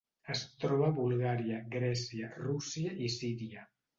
Es troba a Bulgària, Grècia, Rússia i Síria.